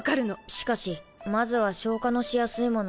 しかしまずは消化のしやすいものを食べさせて。